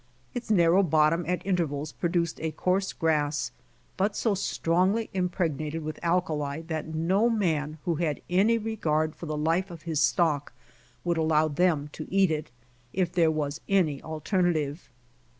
Its narrow bottom at intervals produced a coarse grass, but so strongly impregnated with alkali, that no man who had any regard for the life of his stock would allow them to eat it, if there was any alternative.